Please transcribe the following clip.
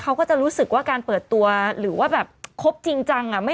เขาก็จะรู้สึกว่าการเปิดตัวหรือว่าแบบครบจริงจัง